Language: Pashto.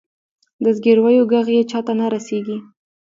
د زګیرویو ږغ یې چاته نه رسیږې